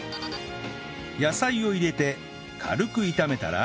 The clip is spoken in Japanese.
野菜を入れて軽く炒めたら